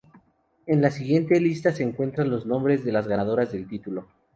En la siguiente lista se encuentran los nombres de las ganadoras del título.